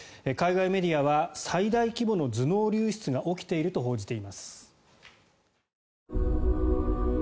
海外メディアは最大規模の頭脳流出が起きていると報じています。